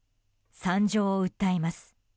惨状を訴えます。